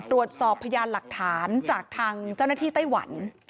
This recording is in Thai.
ตรวจสอบพยานหลักฐานจากทางเจ้าหน้าที่ไต้หวัน